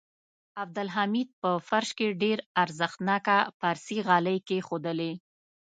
عبدالحمید په فرش کې ډېر ارزښتناکه پارسي غالۍ کېښودلې.